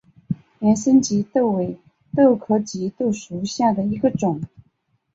盐生棘豆为豆科棘豆属下的一个种。